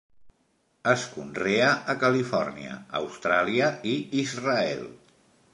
Es conrea a Califòrnia, Austràlia i Israel.